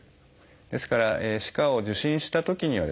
ですから歯科を受診したときにはですね